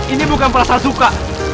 ini bukan perasaan suka